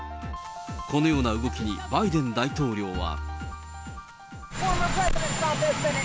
このような動きに、バイデン大統領は。